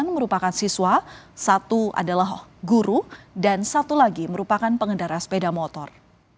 enam merupakan siswa satu adalah guru dan satu lagi merupakan pengendara sepeda motor